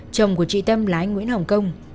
chồng của chị tâm là anh nguyễn hồng công